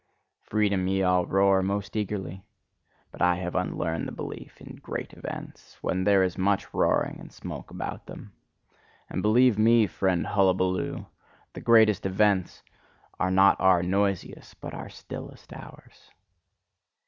'Freedom' ye all roar most eagerly: but I have unlearned the belief in 'great events,' when there is much roaring and smoke about them. And believe me, friend Hullabaloo! The greatest events are not our noisiest, but our stillest hours.